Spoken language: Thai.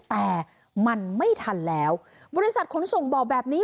แต่มันไม่ทันแล้วบริษัทขนส่งบอกแบบนี้